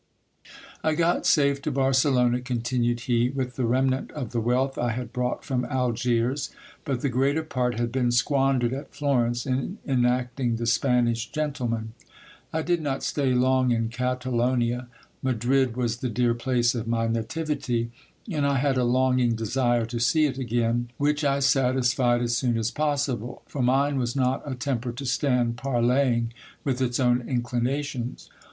I got safe to Barcelona, continued he, with the remnant of the wealth I had brought from Algiers ; but the greater part had been squandered at Florence in enacting the Spanish gentleman. I did not stay long in Catalonia. Madrid was the dear place of my nativity, and I had a longing desire to see it again, which I satisfied as soon as possible ; for mine was not a temper to stand par leying with its own inclinations.